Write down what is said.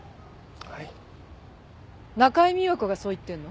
はい中井美和子がそう言ってるの？